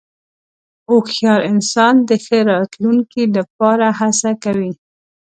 هوښیار انسان د ښه راتلونکې لپاره هڅه کوي.